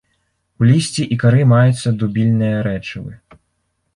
У лісці і кары маюцца дубільныя рэчывы.